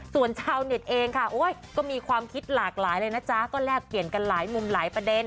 ส่วนชาวเน็ตเองค่ะโอ้ยก็มีความคิดหลากหลายเลยนะจ๊ะก็แลกเปลี่ยนกันหลายมุมหลายประเด็น